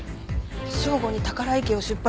「正午に宝居家を出発」